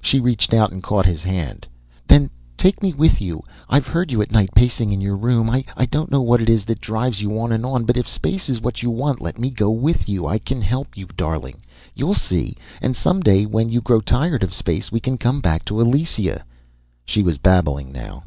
She reached out and caught his hand. "Then take me with you. I've heard you at night pacing in your room. I don't know what it is that drives you on and on, but if space is what you want, let me go with you. I can help you, darling. You'll see. And some day when you grow tired of space, we can come back to Elysia." She was babbling now.